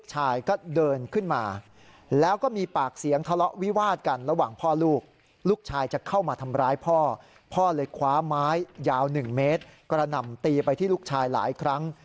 หมด๑เมตรกระหน่ำตีไปที่ลูกชายหลายครั้ง